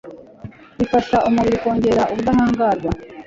bifasha umubiri kongera ubudahangarwa